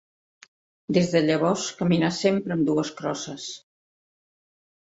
Des de llavors caminà sempre amb dues crosses.